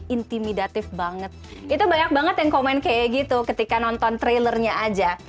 indicators banget itu banyak banget yang komen kayak gitu ketika nonton trailer nya aja